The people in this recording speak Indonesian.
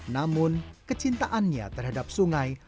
namun kecintaannya terhadap sungai